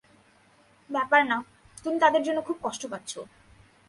ব্যাপার না, তুমি তাদের জন্য খুব কষ্ট পাচ্ছ।